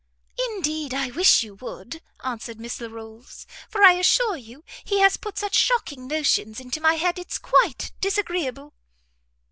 "Indeed I wish you would," answered Miss Larolles, "for I assure you he has put such shocking notions into my head, it's quite disagreeable."